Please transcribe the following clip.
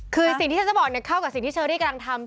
คือสิ่งที่ฉันจะบอกเข้ากับสิ่งที่เชอรี่กำลังทำ